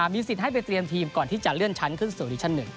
มีสิทธิ์ให้ไปเตรียมทีมก่อนที่จะเลื่อนชั้นขึ้นสู่ดิชั่น๑